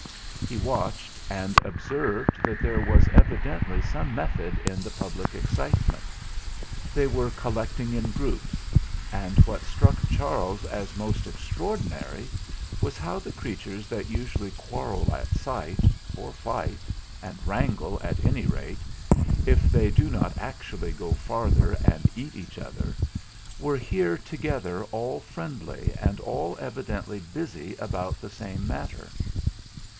He watched, and observed that there was evidently some method in the public excitement. They were collecting in groups; and what struck Charles as most ex traordinary was how the creatures that usually quarrel at sight, or fight and wrangle at any rate, if they do not actually go farther and eat each other, were here together all friendly and all evidently busy about the same matter.